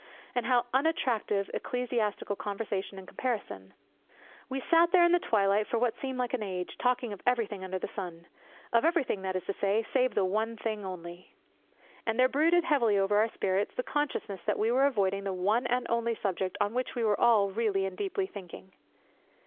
And how unattractive ecclesiastical controversy in comparison! We sat there in the twilight for what seemed like an age, talking of everything under the sun. Of everything, that is to say, save one thing only. And there brooded heavily over our spirits the consciousness that we were avoiding the one and only subject on which we were all really and deeply thinking.